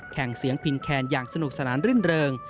งเสียงพินแคนอย่างสนุกสนานรื่นเริง